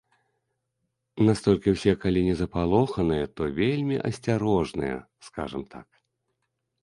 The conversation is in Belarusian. Настолькі ўсе калі не запалоханыя, то вельмі асцярожныя, скажам так.